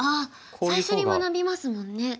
最初に学びますもんね。